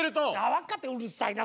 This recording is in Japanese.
分かったうるさいな。